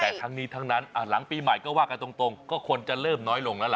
แต่ทั้งนี้ทั้งนั้นหลังปีใหม่ก็ว่ากันตรงก็คนจะเริ่มน้อยลงแล้วล่ะ